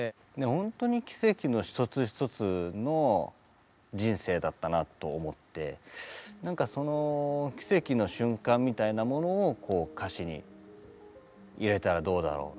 ほんとに奇跡の一つ一つの人生だったなと思って何かその奇跡の瞬間みたいなものを歌詞に入れたらどうだろう。